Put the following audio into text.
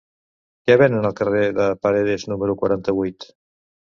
Què venen al carrer de Paredes número quaranta-vuit?